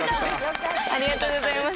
ありがとうございます。